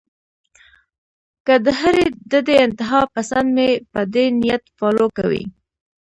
کۀ د هرې ډډې انتها پسند مې پۀ دې نيت فالو کوي